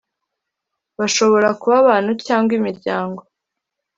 bashobora kuba abantu cyangwa imiryango